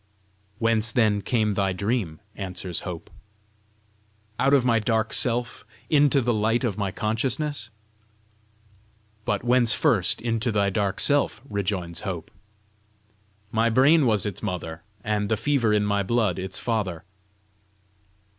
"Whence then came thy dream?" answers Hope. "Out of my dark self, into the light of my consciousness." "But whence first into thy dark self?" rejoins Hope. "My brain was its mother, and the fever in my blood its father."